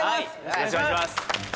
よろしくお願いします